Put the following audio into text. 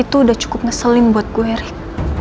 itu udah cukup ngeselin buat gue heri